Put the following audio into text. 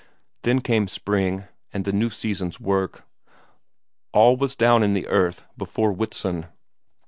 Then came spring, and the new season's work; all was down in the earth before Whitsun.